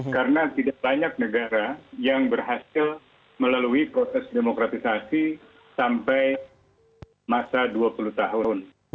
karena tidak banyak negara yang berhasil melalui proses demokrasi sampai masa dua puluh tahun